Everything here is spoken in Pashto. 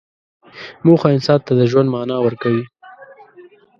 موخه انسان ته د ژوند معنی ورکوي.